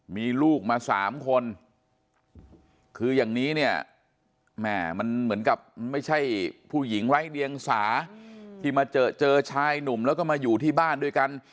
มีลูกมา๓คนคืออย่างนี้เนี่ยแม่มันเหมือนกับไม่ใช่ผู้หญิงไร้เดียงสาที่มาเจอเจอชายหนุ่มแล้วก็มาอยู่ที่บ้านด้วยกัน